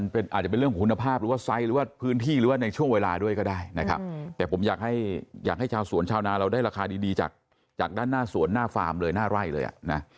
เพราะว่าชาวนาเราได้ราคาดีจากด้านหน้าสวนหน้าฟาร์มเลยหน้าไร่เลย